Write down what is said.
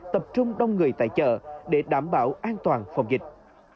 tập trung đông người tại chợ để đảm bảo an toàn phòng dịch